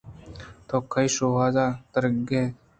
تو کئی شوہاز ءَ گردگ ءَاِت